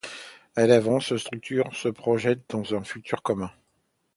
Elle avance, se structure, se projette dans un futur commun.